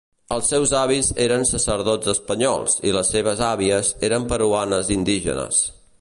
Els seus avis eren sacerdots espanyols, i les seves àvies eren peruanes indígenes.